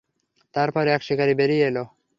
তারপর, এক শিকারী বেরিয়ে এল।